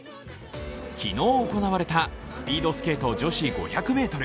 昨日行われたスピードスケート女子５００ｍ。